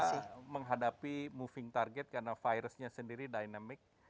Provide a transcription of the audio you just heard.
kita menghadapi moving target karena virusnya sendiri dynamic